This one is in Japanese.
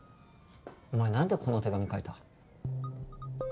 お前何でこの手紙書いた？